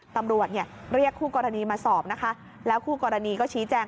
ตำรวจเนี่ยเรียกคู่กรณีมาสอบนะคะแล้วคู่กรณีก็ชี้แจง